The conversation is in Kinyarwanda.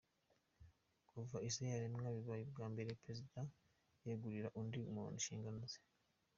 Kuva isi yaremwa bibaye ubwa mbere Perezida yegurira undi muntu inshingano ze.